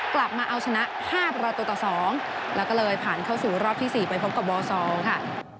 กลับมาเอาชนะ๕ประตูต่อ๒แล้วก็เลยผ่านเข้าสู่รอบที่๔ไปพบกับบซอลค่ะ